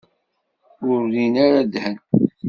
Ur rrin ara ddhen.